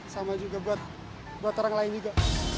sama juga buat orang lain juga